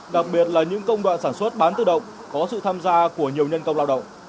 đặc biệt là những công đoạn sản xuất bán tự động có sự tham gia của nhiều nhân công lao động